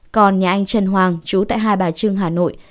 còn nhà anh trần hoàng chú tại hai bà trưng hà nội